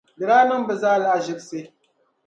di daa niŋ bɛ zaa lahaʒibisi.